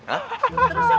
emang yang di rumah kenapa